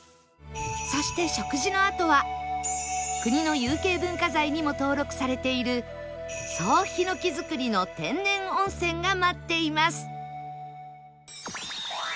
そして食事のあとは国の有形文化財にも登録されている総檜造りの天然温泉が待っています